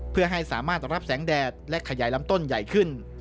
เพื่อให้สามารถรับแสงแดดและขยายลำต้นใหญ่ขึ้น